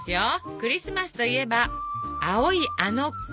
「クリスマスといえば青いあの子」。